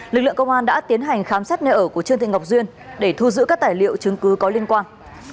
lực lượng công an đã tiến hành khám xét nơi ở của trương thị ngọc duyên để thu giữ các tài liệu chứng cứ có liên quan